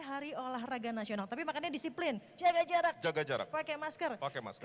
hari olahraga nasional tapi makanya disiplin jaga jarak jaga jarak pakai masker pakai masker